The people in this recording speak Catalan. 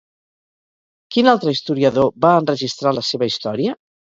Quin altre historiador va enregistrar la seva història?